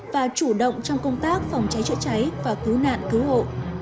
và chủ động trong công tác phòng cháy chữa cháy và cứu nạn cứu hộ